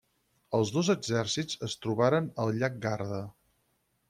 Els dos exèrcits es trobaren al Llac Garda.